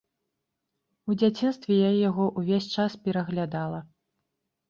У дзяцінстве я яго ўвесь час пераглядала.